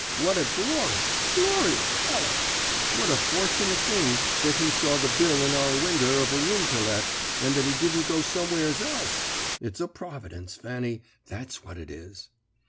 What a glorious, glorious fellow! What a fortunate thing that he saw the bill in our winder of a room to let, and that he didn't go somewheres else! It's a providence, Fanny, that's what it is.'